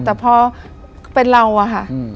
แต่พอเป็นเราอะค่ะ